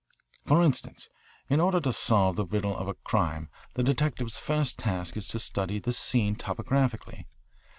"For instance, in order to solve the riddle of a crime the detective's first task is to study the scene topographically.